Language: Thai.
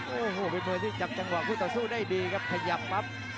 โอ้โหเป็นมวยที่จับจังหวะคู่ต่อสู้ได้ดีครับขยับปั๊บ